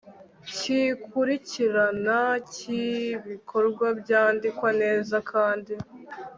cy ikurikirana ry ibikorwa byandikwa neza kandi